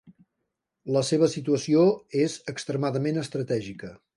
La seva situació és extremadament estratègica.